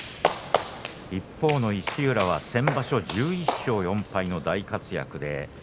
一方の石浦は先場所１１勝４敗の大活躍